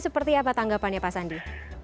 seperti apa tanggapannya pak sandi